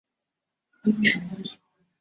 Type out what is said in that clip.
胜因院住宅就是在这种背景下建成的。